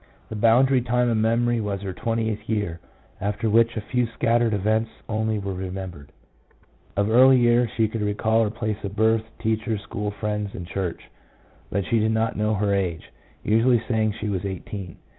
The boundary time of memory was her twentieth year, after which a few scattered events only were remembered. Of early years she could recall her place of birth, teachers, school friends, and church ; but she did not know her age, usually saying she was eighteen.